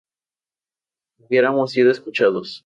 hubiéramos sido escuchados